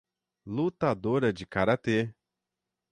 Lutadora de karatê